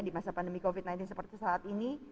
di masa pandemi covid sembilan belas seperti saat ini